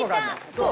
そう。